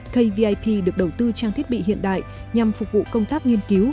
kvip được đầu tư trang thiết bị hiện đại nhằm phục vụ công tác nghiên cứu